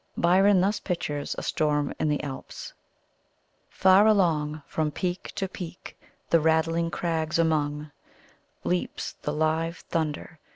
Byron thus pictures a storm in the Alps: "Far along From peak to peak, the rattling crags among Leaps the live thunder!